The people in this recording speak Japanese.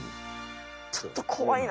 ちょっと怖いな。